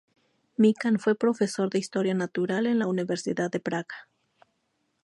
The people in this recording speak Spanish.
Mikan fue profesor de Historia natural en la Universidad de Praga.